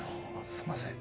すいません。